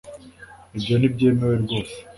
ibyo ntibyemewe rwose.